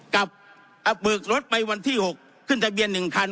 กับเอาเบิกรถไปวันที่หกขึ้นทะเวียนหนึ่งคัน